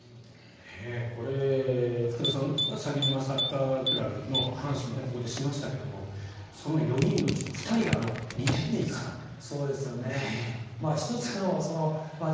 これ、福田さんさぎぬまサッカークラブの話もここでしましたがその４人のうちの２人があの２点に絡んでいる。